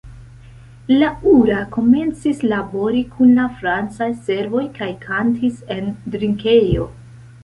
Laura komencis labori kun la francaj servoj kaj kantis en drinkejo.